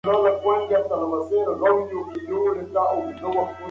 د دې کار موخه د اسانتیاوو برابرول وو.